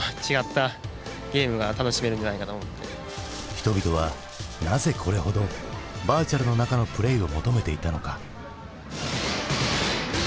人々はなぜこれほどバーチャルの中のプレイを求めていたのか？